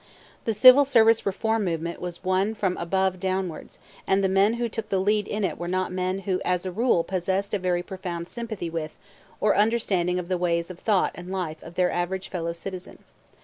The Civil Service Reform movement was one from above downwards, and the men who took the lead in it were not men who as a rule possessed a very profound sympathy with or understanding of the ways of thought and life of their average fellow citizen.